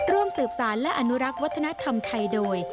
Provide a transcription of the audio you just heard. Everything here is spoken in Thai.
ร่วมสืบสารและอนุรักษ์วัฒนธรรมไทยโดย